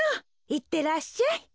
いってらっしゃい。